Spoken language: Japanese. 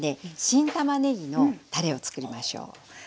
新たまねぎのたれを作りましょう。